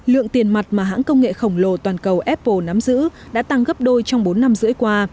lượng tiền mặt mà hãng công nghệ khổng lồ toàn cầu apple nắm giữ đã tăng gấp đôi trong bốn năm rưỡi qua